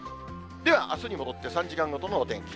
では、あすに戻って３時間ごとのお天気。